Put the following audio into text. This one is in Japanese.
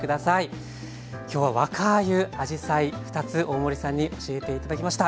今日は若あゆあじさい２つ大森さんに教えて頂きました。